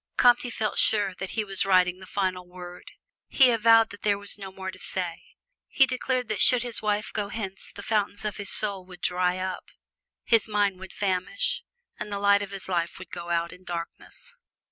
Comte felt sure that he was writing the final word. He avowed that there was no more to say. He declared that should his wife go hence the fountains of his soul would dry up, his mind would famish, and the light of his life would go out in darkness.